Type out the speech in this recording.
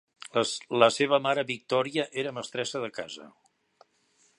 La seva mare, Victoria, era mestressa de casa.